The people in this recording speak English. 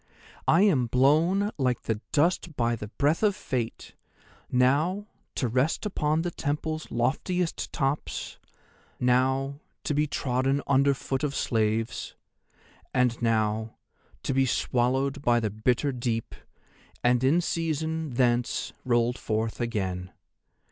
I am blown like the dust by the breath of Fate; now to rest upon the Temple's loftiest tops, now to be trodden underfoot of slaves, and now to be swallowed by the bitter deep, and in season thence rolled forth again.